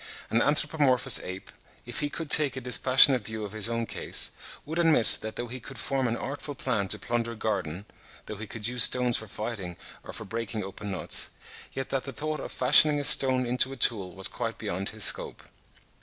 An anthropomorphous ape, if he could take a dispassionate view of his own case, would admit that though he could form an artful plan to plunder a garden—though he could use stones for fighting or for breaking open nuts, yet that the thought of fashioning a stone into a tool was quite beyond his scope.